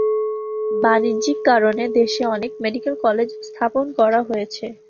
বাণিজ্যিক কারণে দেশে অনেক মেডিকেল কলেজ স্থাপন করা হয়েছে।